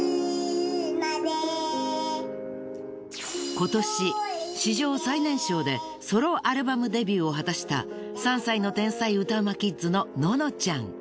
今年史上最年少でソロアルバムデビューを果たした３歳の天才歌うまキッズのののちゃん。